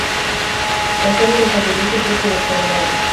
La serie desarrolló su propio vocabulario.